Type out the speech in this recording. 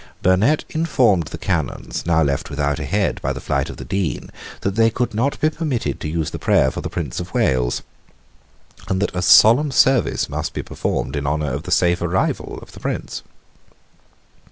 Burnet informed the Canons, now left without a head by the flight of the Dean, that they could not be permitted to use the prayer for the Prince of Wales, and that a solemn service must be performed in honour of the safe arrival of the Prince.